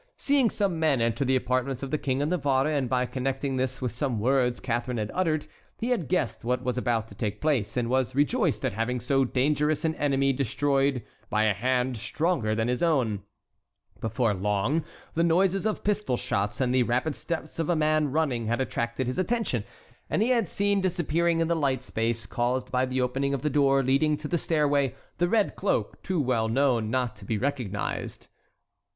Seeing some men enter the apartments of the King of Navarre, and by connecting this with some words Catharine had uttered, he had guessed what was about to take place, and was rejoiced at having so dangerous an enemy destroyed by a hand stronger than his own. Before long the noises of pistol shots and the rapid steps of a man running had attracted his attention, and he had seen disappearing in the light space caused by the opening of the door leading to the stairway the red cloak too well known not to be recognized.